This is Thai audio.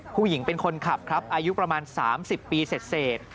ผู้หญิงเป็นคนขับครับอายุประมาณ๓๐ปีเสร็จ